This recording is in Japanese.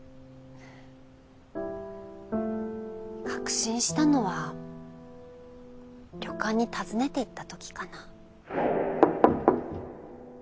確信したのは旅館に訪ねていったときかな。